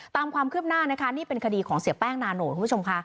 ตามความคืบหน้านะคะนี่เป็นคดีของเสียแป้งนาโนทคุณผู้ชมค่ะ